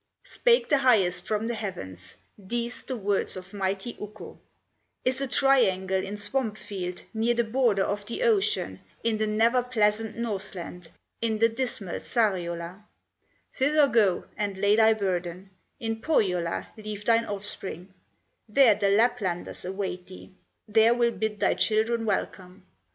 Spake the Highest from the heavens, These the words of mighty Ukko: "Is a triangle in Swamp field, Near the border of the ocean, In the never pleasant Northland, In the dismal Sariola; Thither go and lay thy burden, In Pohyola leave thine offspring; There the Laplanders await thee, There will bid thy children welcome."